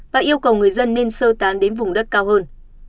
và yêu cầu người dân nên sơ tán đến vùng đất cao hơn